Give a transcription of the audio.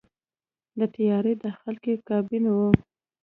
د طیارې داخل کې کابین وي.